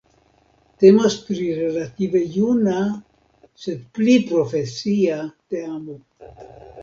Temas pri relative juna, sed pli profesia teamo.